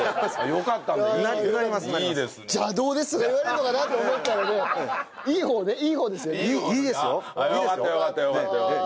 よかったよかったよかったよかった。